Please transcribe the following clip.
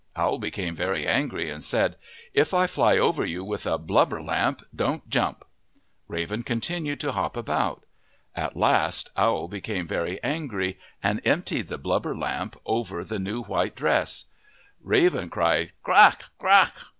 Owl became very angry and said, " If I fly over you with a blubber lamp, don't jump/' Raven continued to hop about. At last Owl became very angry and emptied the blubber lamp over the new white dress. Raven cried, " Qaq ! Qaq !